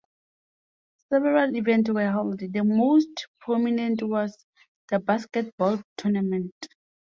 Several events were held, the most prominent was the basketball tournament.